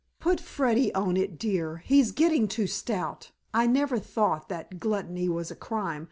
"Put Freddy on it, dear. He's getting too stout. I never thought that gluttony was a crime.